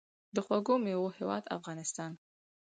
د خوږو میوو هیواد افغانستان.